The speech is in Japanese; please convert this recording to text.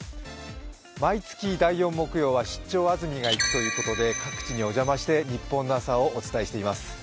毎月、第４木曜は、「出張！安住がいく」ということで各地にお邪魔して日本の朝をお伝えしています。